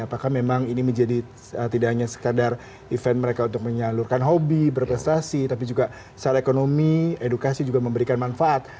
apakah memang ini menjadi tidak hanya sekadar event mereka untuk menyalurkan hobi berprestasi tapi juga secara ekonomi edukasi juga memberikan manfaat